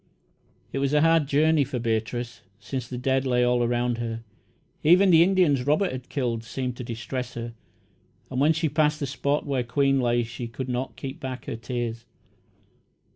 It was a hard journey for Beatrice, since the dead lay all around her. Even the Indians Robert had killed seemed to distress her, and when she passed the spot where Queen lay she could not keep back her tears.